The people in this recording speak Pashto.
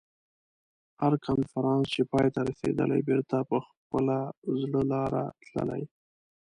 هر کنفرانس چې پای ته رسېدلی بېرته په خپله زړه لاره تللي.